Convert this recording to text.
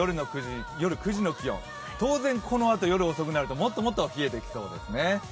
夜９時の気温当然このあと夜遅くなるともっともっと冷えていきそうですね。